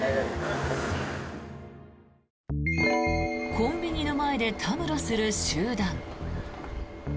コンビニの前でたむろする集団。